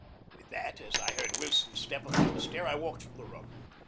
With that, as I heard Wilson's step upon the stair, I walked from the room.